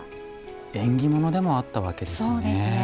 縁起物でもあったわけですね。